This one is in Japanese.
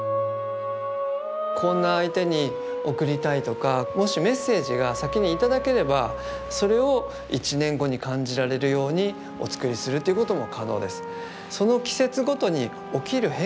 こんな相手に贈りたいとかもしメッセージが先に頂ければそれを１年後に感じられるようにお作りするということも可能です。